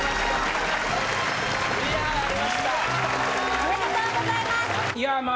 おめでとうございます！